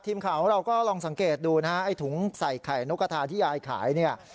ทีมข่าวของเราก็ลองสังเกตดูนะฮะไอ้ถุงใส่ไข่นกกระทาที่ยายขายเนี่ย